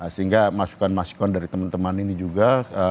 sehingga masukan masukan dari teman teman ini juga